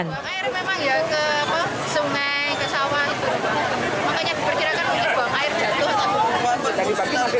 yang di bagian itu di atas